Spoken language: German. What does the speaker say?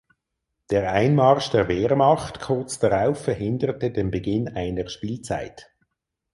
Der Einmarsch der Wehrmacht kurz darauf verhinderte den Beginn einer Spielzeit.